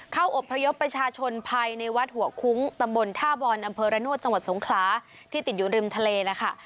เข้าอบพยพประชาชนภัยในวัดหัวคุ้งตำบลท่าบรอรโนวจังหวัดสงขลาที่ติดอยู่รึมทะเลนะคะ